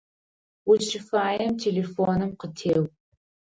Узщыфаем телефоным къытеу.